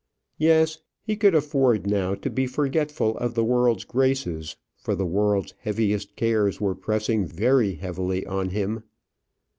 Yes; he could afford now to be forgetful of the world's graces, for the world's heaviest cares were pressing very heavily on him.